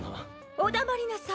お黙りなさい。